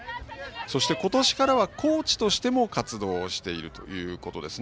そして、今年からはコーチとしても活動しているということです。